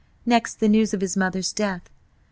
Next the news of his mother's death. .